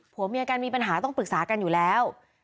ผัวเมียกันมีปัญหาต้องปรึกษากันอยู่แล้ว